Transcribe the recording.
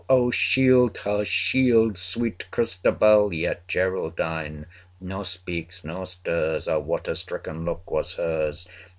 O shield her! shield sweet Christabel! Yet Geraldine nor speaks nor stirs; 255 Ah! what a stricken look was hers!